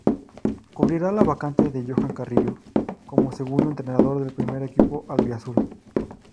Cubrirá la vacante de Joan Carrillo como segundo entrenador del primer equipo albiazul.